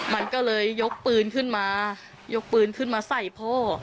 มันก็เลยยกปืนขึ้นมายกปืนขึ้นมาใส่พ่อ